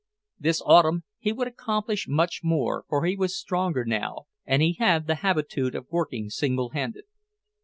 This autumn he would accomplish much more, for he was stronger now, and he had the habitude of working single handed.